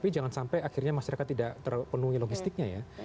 tapi jangan sampai akhirnya masyarakat tidak terpenuhi logistiknya ya